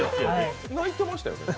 泣いてましたよね？